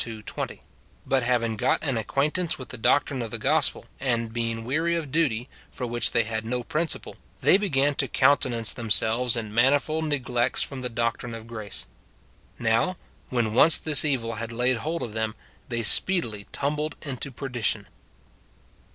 ii. 20 : but having got an acquaintance with the doctrine of the gospel, and being weary of duty, for which they had no principle, they began to countenance themselves in manifold neglects from the doctrine of grace. Now, when once this evil had laid hold of them, they speedily tumbled into perdition.